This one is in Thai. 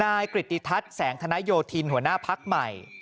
กริติทัศน์แสงธนโยธินหัวหน้าพักใหม่